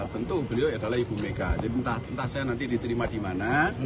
tentu beliau adalah ibu meka entah saya nanti diterima dimana